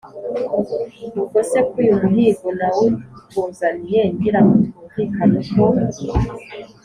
ubwo se ko uyu muhigo nawukuzaniye, ngira ngo twumvikane uko